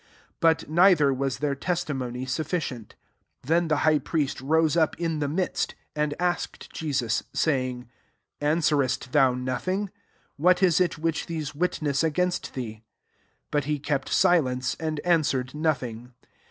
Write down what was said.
^ 59 But neither was their testi* mony sufficient. 60 Then the high priest rose up in the midst^ and asked Jesus, saying, ^*An swerest thou nothing I what is it which these witness agunst thee ?" 61 But he kept sileixce, and answered nothing.